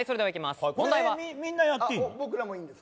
みんなやっていいの？